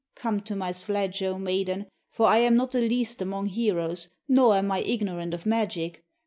Come to my sledge, O maiden, for I am not the least among heroes, nor am I ignorant of magic.